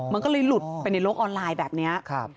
มันก็เลยหลุดไปในโลกออนไลน์แบบนี้